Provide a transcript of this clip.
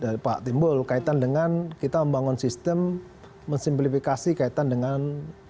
dari pak timbul kaitan dengan kita membangun sistem mensimplifikasi kaitan dengan